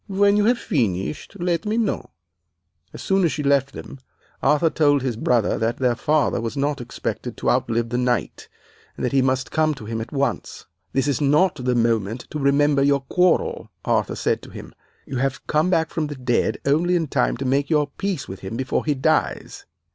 When you have finished, let me know.' "As soon as she had left them, Arthur told his brother that their father was not expected to outlive the night, and that he must come to him at once. "'This is not the moment to remember your quarrel,' Arthur said to him; 'you have come back from the dead only in time to make your peace with him before he dies.